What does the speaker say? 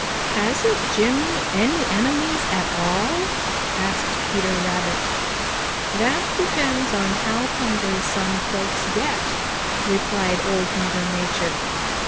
"Hasn't Jimmy any enemies at all?" asked Peter Rabbit. "That depends on how hungry some folks get," replied Old Mother Nature.